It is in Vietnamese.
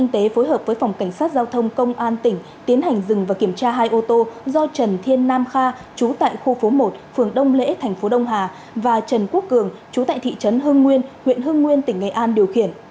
tại thị trấn hưng nguyên huyện hưng nguyên tỉnh ngày an điều khiển